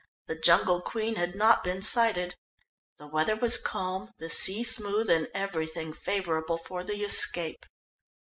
The Jungle Queen had not been sighted. The weather was calm, the sea smooth, and everything favourable for the escape.